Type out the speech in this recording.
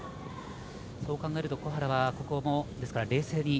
そう考えると小原はここも冷静に。